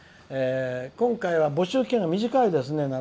今回は募集期間が短いですね。